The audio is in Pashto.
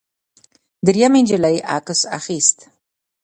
درېیمې نجلۍ عکس اخیست.